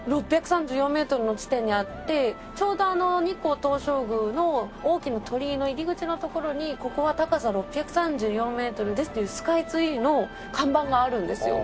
６３４メートルの地点にあってちょうど日光東照宮の大きな鳥居の入り口の所に「ここは高さ６３４メートルです」っていうスカイツリーの看板があるんですよ。